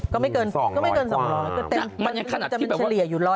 ก็ไม่เกิน๒๐๐กว่ามันจะเป็นเฉลี่ยอยู่๑๐๐๑๐๐อยู่หลายวันแต่อย่างขนาดที่แบบว่า